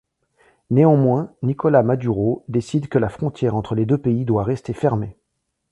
Néanmoins, Nicolás Maduro décide que la frontière entre les deux pays doit rester fermée.